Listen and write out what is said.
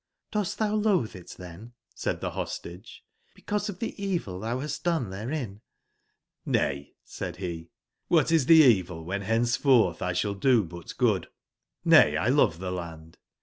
* *Dos t thou loathe it, then/' said the Hostage/' because of the evil thou hast done therein ?"jj^ '* JVay/' said he, ''what is the evil, when henceforth 1 shall do but good ? JNfay, I love the land.